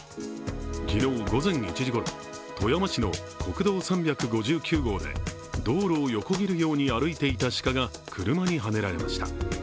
昨日午前１時ごろ、富山市の国道３５９号で道路を横切るように歩いていた鹿が車にはねられました。